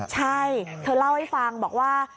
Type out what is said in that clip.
ใช่เธอเล่าให้ฟังบอกว่า